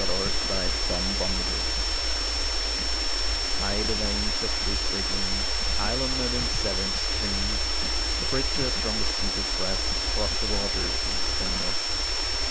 XXVIII THE WELSH MARCHES High the vanes of Shrewsbury gleam Islanded in Severn stream; The bridges from the steepled crest Cross the water east and west.